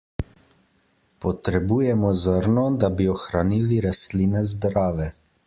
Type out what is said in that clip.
Potrebujemo zrno, da bi ohranili rastline zdrave.